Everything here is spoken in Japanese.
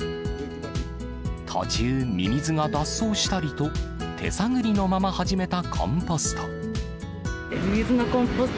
途中、ミミズが脱走したりと、手探りのまま始めたコンポスト。